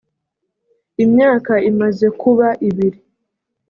imyaka imaze kuba ibiri